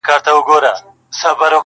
په پسته ژبه دي تل يم نازولى.!